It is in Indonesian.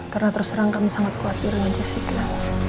karena terserang kami sangat khawatir dengan jessica